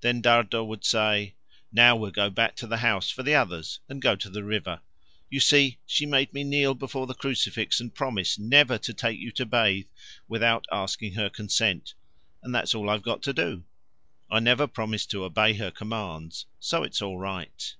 Then Dardo would say, "Now we'll go back to the house for the others and go to the river. You see, she made me kneel before the crucifix and promise never to take you to bathe without asking her consent. And that's all I've got to do; I never promised to obey her commands, so it's all right."